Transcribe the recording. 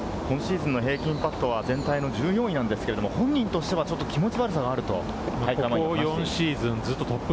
今シーズンの平均パットは全体の１４位なんですけれど、本人としては少し気持ち悪さがあると。